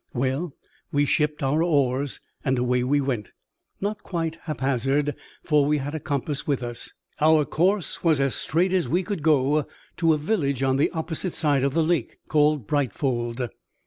Well, we shipped our oars, and away we went. Not quite haphazard for we had a compass with us. Our course was as straight as we could go, to a village on the opposite side of the lake, called Brightfold.